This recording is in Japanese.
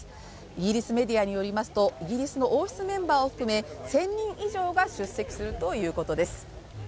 イギリスメディアによりますと、イギリスの王室メンバーを含め１０００人以上が出席するということです。